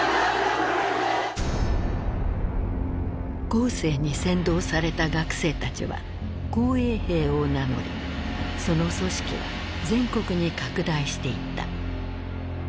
江青に扇動された学生たちは「紅衛兵」を名乗りその組織は全国に拡大していった。